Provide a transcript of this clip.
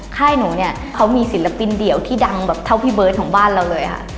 ค่ายหนูเนี่ยเขามีศิลปินเดี่ยวที่ดังแบบเท่าพี่เบิร์ตของบ้านเราเลยค่ะ